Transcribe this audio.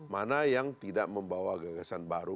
mana yang tidak membawa gagasan baru